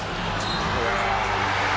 「うわ」